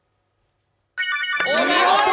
お見事！